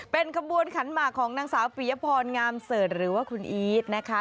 เป็นขบวนขันหมากของนางสาวปียพรงามเสิร์ชหรือว่าคุณอีทนะคะ